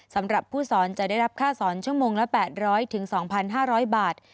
สำหรับผู้สอนจะได้รับค่าสอนชั่วโมงละ๘๐๐๒๕๐๐บาท